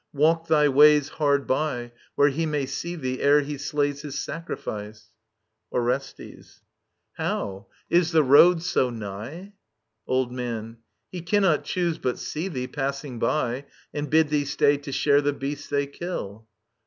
Walk thy ways Hard by, where he may see thee, ere he slays His sacrifice. Orestes. How ? Is the road so nigh i Old Man. ^ He cannot choose but see thee, passing by, . And bid thee stay to share the beast they kill.